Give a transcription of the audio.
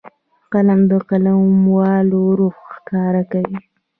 قلم د قلموالو روح ښکاره کوي